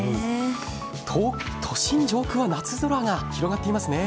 都心上空は夏空が広がっていますね。